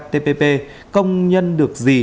tpp công nhân được gì